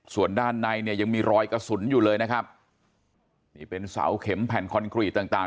ส่วนด้านในเนี่ยยังมีรอยกระสุนอยู่เลยนะครับนี่เป็นเสาเข็มแผ่นคอนกรีตต่างต่าง